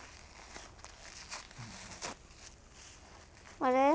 あれ？